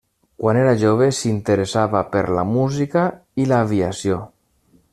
Quan era jove s'interessava per la música i l'aviació.